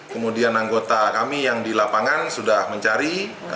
kemudian anggota kami yang di lapangan sudah mencari